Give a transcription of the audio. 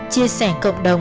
chia sẻ cộng đồng